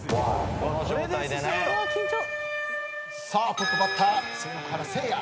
トップバッター仙石原せいや。